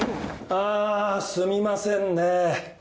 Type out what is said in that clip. あすみませんねぇ。